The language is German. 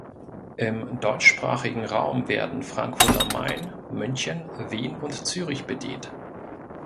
Im deutschsprachigen Raum werden Frankfurt am Main, München, Wien und Zürich bedient.